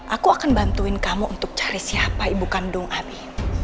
aku akan bantuin kamu untuk cari siapa ibu kandung abi